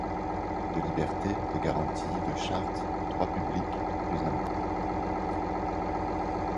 De liberté, de garanties, de Charte, de droit public, plus un mot.